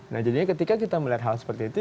nah jadinya ketika kita melihat hal seperti itu